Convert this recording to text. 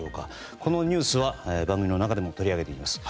このニュースは番組の中でも取り上げていきます。